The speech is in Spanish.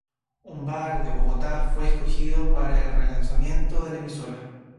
Un bar de Bogotá fue escogido para el re-lanzamiento de la emisora.